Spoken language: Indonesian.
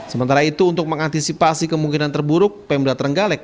sementara itu untuk mengantisipasi kemungkinan terburuk